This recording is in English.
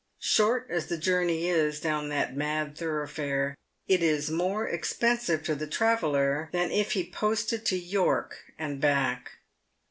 Short as the journey is down that mad thorough fare, it is more expensive to the traveller than if he posted to York and back.